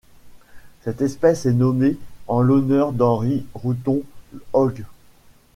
Cette espèce est nommée en l'honneur d'Henry Roughton Hogg.